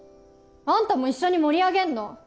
アンタも一緒に盛り上げんの！